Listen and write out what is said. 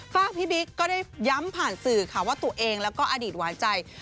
ฝากพี่บิ๊กก็ได้ย้ำผ่านสื่อค่ะว่าตัวเองแล้วก็อดีตหวานใจ